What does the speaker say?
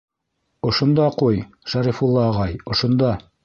Ошонда ҡуй, Шәрифулла ағай, ошонда!